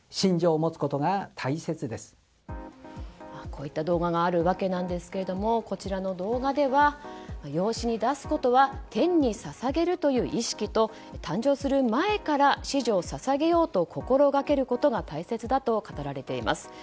こういった動画があるわけですがこちらの動画では養子に出すことは天に捧げるという意識と誕生する前から子女を捧げようと心がけることが大切だと語られています。